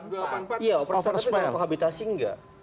iya operasi tapi kalau kohabitasi enggak